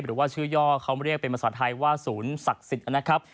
หรือว่าชื่อย่อเขาเรียกเป็นภาษาไทยว่าศูนย์ศักดิ์สิทธิ์นะครับ